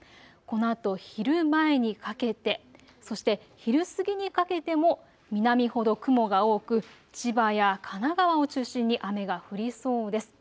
このあと昼前にかけてそして昼過ぎにかけても南ほど雲が多く、千葉や神奈川を中心に雨が降りそうです。